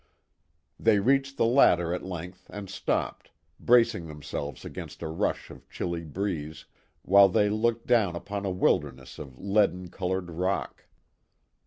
They reached the latter at length and stopped, bracing themselves against a rush of chilly breeze, while they looked down upon a wilderness of leaden coloured rock.